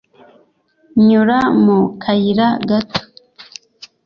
nyura mu kayira gato